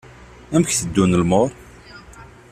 Amek teddun lmuṛ?